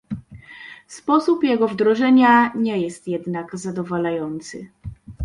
Sposób jego wdrożenia nie jest jednak zadowalający